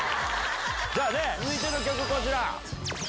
じゃあね、続いての曲はこちら。